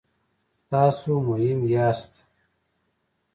تاسو مهم یاست